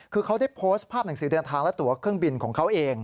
คือเขาได้โพสต์ภาพหนังสือเดินทางและตัวเครื่องบินของเขาเอง